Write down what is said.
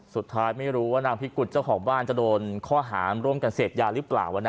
สุดท้ายไม่รู้ว่านางพิกุฎเจ้าของบ้านจะโดนข้อหามร่วมกันเสพยาหรือเปล่า